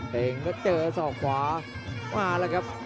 ผอยไปซ้ายครับ